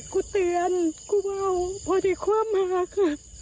กูเตือนกูว่าวพอที่ความหาก